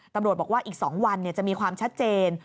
ตำรวจบอกว่าอีก๒วันจะมีความชัดเจน